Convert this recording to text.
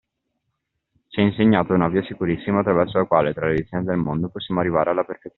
Ci è insegnata una via sicurissima attraverso la quale, tra le vicende del mondo, possiamo arrivare alla perfezione